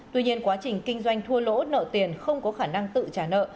tuy nhiên quá trình kinh doanh thua lỗ nợ tiền không có khả năng tự trả nợ